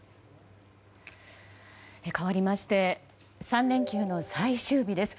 かわりまして３連休の最終日です。